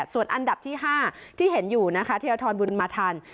ส่วนอันดับที่ห้าที่เห็นอยู่เทลทรบุรมธรรม